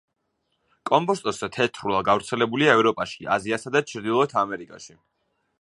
კომბოსტოს თეთრულა გავრცელებულია ევროპაში, აზიასა და ჩრდილოეთ ამერიკაში.